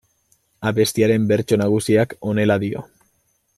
Abestiaren bertso nagusiak honela dio.